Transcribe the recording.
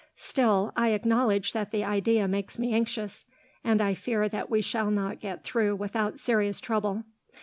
Still, I acknowledge that the idea makes me anxious, and I fear that we shall not get through without serious trouble.